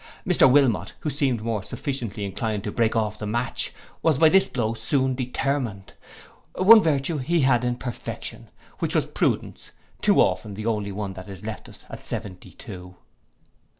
Mr Wilmot, who seemed before sufficiently inclined to break off the match, was by this blow soon determined: one virtue he had in perfection, which was prudence, too often the only one that is left us at seventy two.